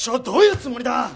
どういうつもりだ！